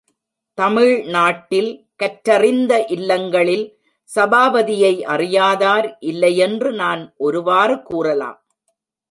தமிழ்நாட்டில், கற்றறிந்த இல்லங்களில் சபாபதியை அறியாதார் இல்லையென்று நான் ஒருவாறு கூறலாம்.